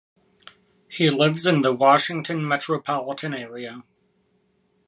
He lives in the Washington metropolitan area.